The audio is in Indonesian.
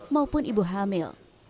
maupun ibu hamil